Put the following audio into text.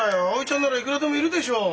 葵ちゃんならいくらでもいるでしょう？